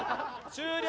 終了！